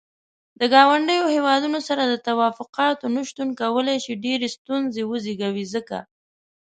د ګاونډيو هيوادونو سره د تووافقاتو نه شتون کولاي شي ډيرې ستونزې وزيږوي ځکه.